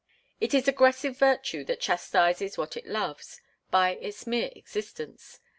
It is aggressive virtue that chastises what it loves by its mere existence.